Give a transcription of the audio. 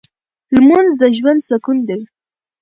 لمونځ د ژوند سکون دی.